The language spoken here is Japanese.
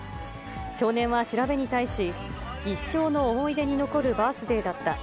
少年は調べに対し、一生の思い出に残るバースデーだった。